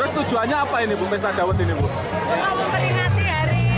iya gelas buatan warga sendiri